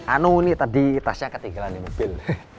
anu ini tadi tasnya ketinggalan di mobil